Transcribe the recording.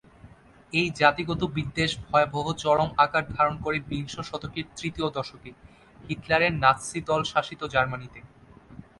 এই জাতিগত বিদ্বেষ ভয়াবহ চরম আকার ধারণ করে বিংশ শতকের তৃতীয় দশকে, হিটলারের নাৎসি দল-শাসিত জার্মানিতে।